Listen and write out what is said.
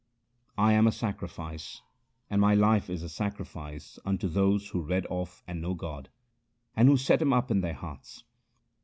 I am a sacrifice, and my life is a sacrifice unto those who read of and know God, and who set Him up in their hearts.